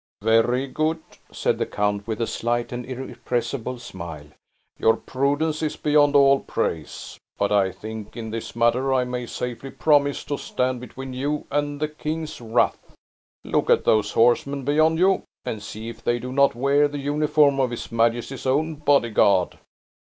"Very good," said the count, with a slight and irrepressible smile; "your prudence is beyond all praise! But I think, in this matter I may safely promise to stand between you and the king's wrath. Look at those horsemen beyond you, and see if they do not wear the uniform of his majesty's own body guard."